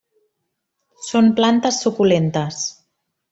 Són plantes suculentes.